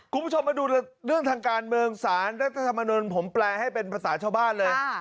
คุณผู้ชมมาดูเรื่องทางการเมืองสารรัฐธรรมนุนผมแปลให้เป็นภาษาชาวบ้านเลย